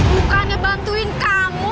bukannya membantu kamu